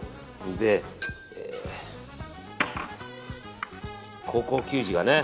で、高校球児がね